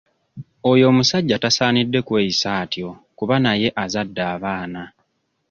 Oyo omusajja tasaanidde kweyisa atyo kuba naye azadde abaana.